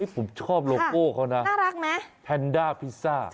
ผมชอบโลโก้เขาน่ะแทนด้าพิซซ่าน่ารักไหม